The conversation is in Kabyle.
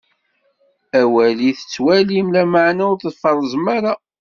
Awali tettwalim, lameɛna ur tfeṛṛzem ara.